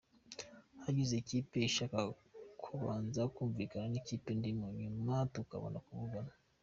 Hagize ikipe inshaka yabanza kumvikana n’ikipe ndimo nyuma tukabona kuvugana.